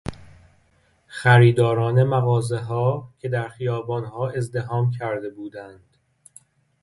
خریداران مغازهها که در خیابانها ازدحام کرده بودند